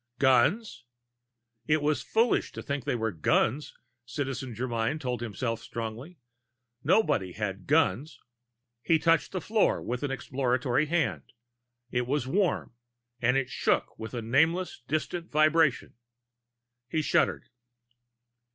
Guns? It was foolishness to think they were guns, Citizen Germyn told himself strongly. Nobody had guns. He touched the floor with an exploratory hand. It was warm and it shook with a nameless distant vibration. He shuddered.